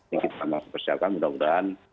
ini kita masih persiapkan mudah mudahan